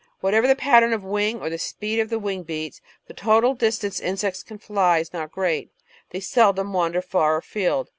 Whatever the pattern of wing or the speed of the wing beats, the total distance insects can fly is not great; they seldom wander far afield.